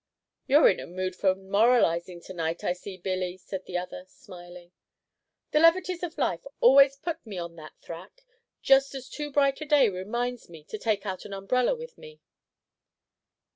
"You 're in a mood for moralizing to night, I see, Billy," said the other, smiling. "The levities of life always puts me on that thrack, just as too bright a day reminds me to take out an umbrella with me."